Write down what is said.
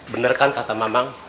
bener kan kata emang